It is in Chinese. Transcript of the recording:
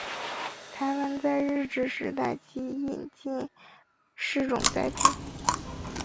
台湾在日治时代即引进试种栽培。